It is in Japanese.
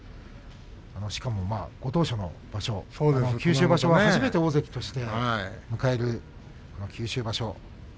しかも、ご当所の場所初めて大関として迎える九州場所。